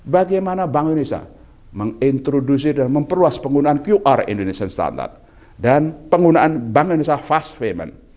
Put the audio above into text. bagaimana bank indonesia mengintroduksi dan memperluas penggunaan qr indonesian standard dan penggunaan bank indonesia fast payment